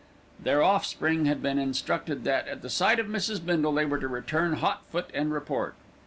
Their offspring had been instructed that, at the sight of Mrs. Bindle, they were to return hot foot and report.